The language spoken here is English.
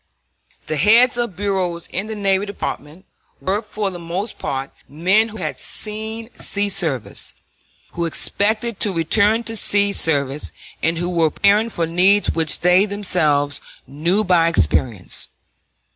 The heads of bureaus in the Navy Department were for the most part men who had seen sea service, who expected to return to sea service, and who were preparing for needs which they themselves knew by experience.